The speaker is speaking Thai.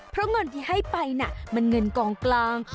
เพราะเงินที่ให้ไปน่ะมันเงินกองกลาง